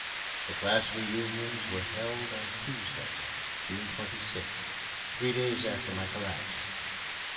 The class reunions were held on Tuesday, June 26th three days after my collapse.